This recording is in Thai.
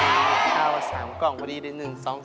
เมื่อก็จะเก็บสามกล่องพอดีได้๑ซ้อน